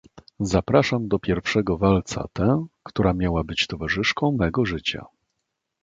"Zapraszam do pierwszego walca tę, która miała być towarzyszką mego życia."